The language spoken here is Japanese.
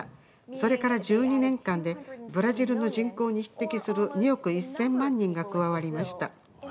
それから１２年間でブラジルの人口に匹敵する２億１０００万人が加わりました。